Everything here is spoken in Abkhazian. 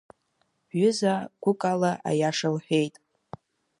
Бҩыза гәыкала аиаша лҳәеит.